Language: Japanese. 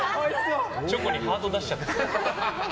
チョコにハート出しちゃってる。